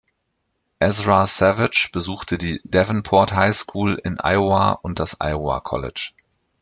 Ezra Savage besuchte die "Davenport High School" in Iowa und das Iowa College.